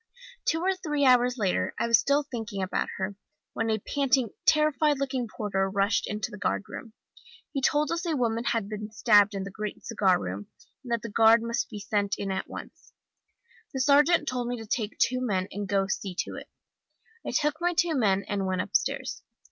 "Two or three hours later I was still thinking about her, when a panting, terrified looking porter rushed into the guard room. He told us a woman had been stabbed in the great cigar room, and that the guard must be sent in at once. The sergeant told me to take two men, and go and see to it. I took my two men and went upstairs.